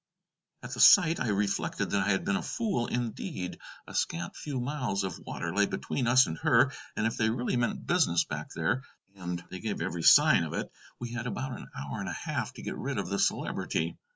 At the sight I reflected that I had been a fool indeed. A scant few miles of water lay between us and her, and if they really meant business back there, and they gave every sign of it, we had about an hour and a half to get rid of the Celebrity.